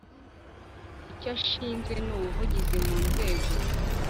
icyo ishinzwe ni ubuvugizi mu nzego